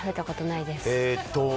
えっと。